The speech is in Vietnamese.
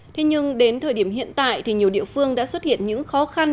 thế nhưng đến thời điểm hiện tại thì nhiều địa phương đã xuất hiện những khó khăn